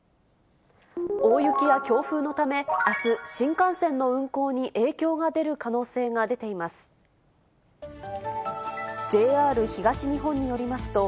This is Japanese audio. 大雪や強風のため、あす、新幹線の運行に影響が出る可能性が出ています。